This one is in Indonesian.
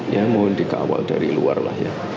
ya mohon dikawal dari luar lah ya